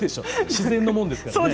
自然のものですからね。